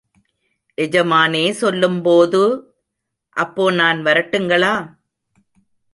எஜமானே சொல்லும்போது...... அப்போ நான் வரட்டுங்களா?